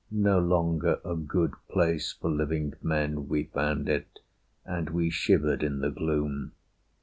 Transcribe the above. No longer a good place for living men We found it, and we shivered in the gloom.